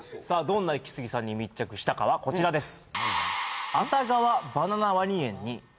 どんなイキスギさんに密着したかはこちらです